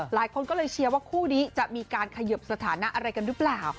หลายคนก็เลยเชียร์ว่าคู่นี้จะมีการเขยิบสถานะอะไรกันหรือเปล่า